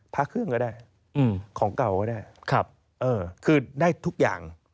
พระเครื่องก็ได้ของเก่าก็ได้คือได้ทุกอย่าง